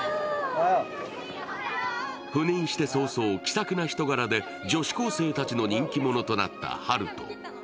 赴任して早々、気さくな人柄で女子高生たちの人気者となった春人。